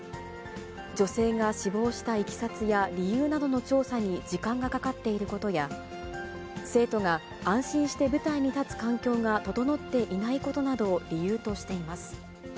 女性が死亡したいきさつや理由などの調査に時間がかかっていることや、生徒が安心して舞台に立つ環境が整っていないことなどを理由としています。